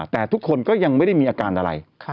แต่ทุกคนก็ยังไม่ได้มีอาการอะไร